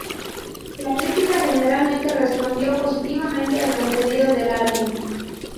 La crítica generalmente respondió positivamente al contenido del álbum.